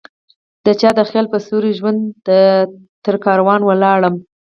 دچا د خیال په سیوری ژونده ؛ ترکاروان ولاړمه